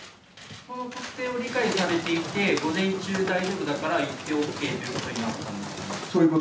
その特性を理解されていて午前中大丈夫だから行ってＯＫということになったんでしょうか？